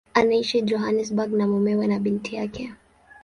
Anaishi Johannesburg na mumewe na binti yake.